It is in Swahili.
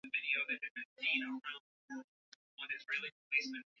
alama ya kuonyesha kwamba mimi ndio nitumie hicho chombo